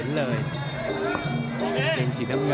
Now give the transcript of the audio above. โอ้โห